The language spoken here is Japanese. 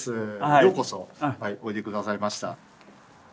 ようこそおいで下さいました。